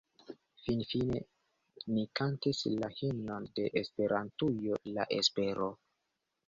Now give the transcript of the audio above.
Finfine ni kantis la himnon de Esperantujo La espero.